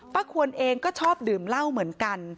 ควรเองก็ชอบดื่มเหล้าเหมือนกัน